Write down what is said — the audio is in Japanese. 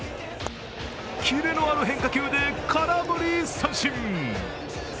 キレのある変化球で空振り三振。